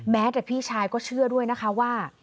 แต่พี่ชายก็เชื่อด้วยนะคะว่า